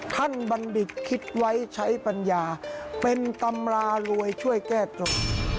บัณฑิตคิดไว้ใช้ปัญญาเป็นตำรารวยช่วยแก้จบ